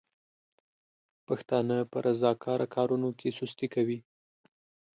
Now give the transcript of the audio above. پښتانه په رضاکاره کارونو کې سستي کوي.